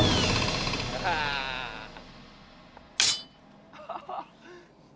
juragun mini cinta sama juragun